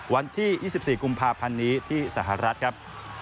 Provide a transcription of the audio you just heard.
วันที่๒๔กุมภาพันธ์นี้ที่สหรัฐครับ